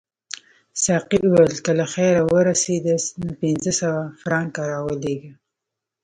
ساقي وویل که له خیره ورسیداست نو پنځه سوه فرانکه راولېږه.